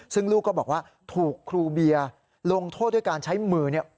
ซึ่งลูกก็บอกว่าถูกครูเบียร์ลงโทษด้วยการใช้มือเนี่ย